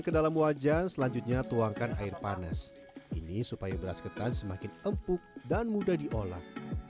ke dalam wajan selanjutnya tuangkan air panas ini supaya beras ketan semakin empuk dan mudah diolah